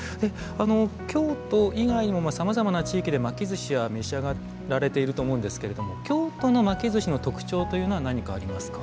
京都以外にもさまざまな地域で巻きずしは召し上がられていると思うんですけれども京都の巻きずしの特徴というのは何かありますか？